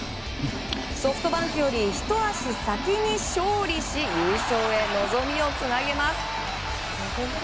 ソフトバンクよりひと足先に勝利し優勝へ望みをつなげます。